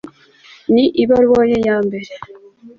mu ibaruwa ye ya mbere